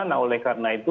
nah oleh karena itu